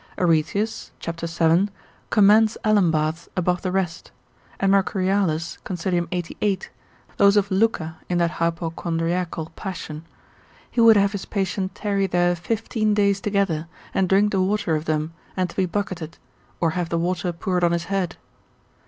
Areteus, c. 7. commends alum baths above the rest; and Mercurialis, consil. 88. those of Lucca in that hypochondriacal passion. He would have his patient tarry there fifteen days together, and drink the water of them, and to be bucketed, or have the water poured on his head.